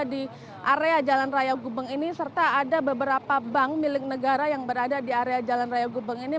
di area jalan raya gubeng ini serta ada beberapa bank milik negara yang berada di area jalan raya gubeng ini